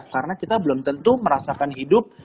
karena kita belum tentu merasakan hidup